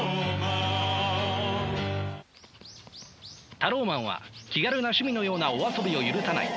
タローマンは気軽な趣味のようなお遊びを許さない。